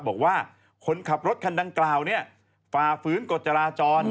บอกว่าคนขับรถคันดังกล่าวฟาฟื้นกดจราจร